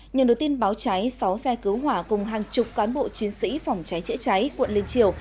nhờ đối tin báo cháy sáu xe cứu hỏa cùng hàng chục cán bộ chiến sĩ phòng cháy chữa cháy quận linh triều